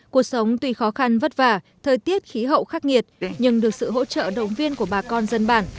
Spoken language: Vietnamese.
cuộc sống tuy khó khăn vất vả thời tiết khí hậu khắc nghiệt nhưng được sự hỗ trợ động viên của bà con dân bản